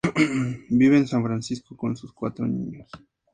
Viven en San Francisco con sus cuatro niños.